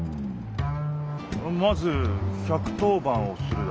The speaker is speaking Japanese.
まず１１０番をするだろ？